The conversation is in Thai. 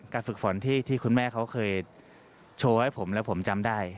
การฝึกฝนที่คุณแม่เค้าเคยโชว์ไว้ให้ผมและผมจำได้